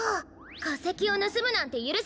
かせきをぬすむなんてゆるせない！